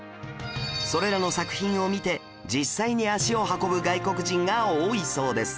それらの作品を見て実際に足を運ぶ外国人が多いそうです